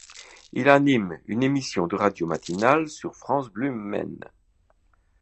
Il anime une émission de radio matinale sur France Bleu Maine.